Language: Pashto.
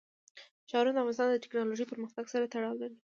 ښارونه د افغانستان د تکنالوژۍ پرمختګ سره تړاو لري.